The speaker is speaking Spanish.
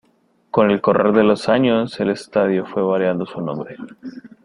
Con el correr de los años, el estadio fue variando su nombre.